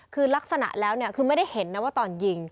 คือลักษณะแล้วเนี่ยคือไม่ได้เห็นนะว่าตอนยิง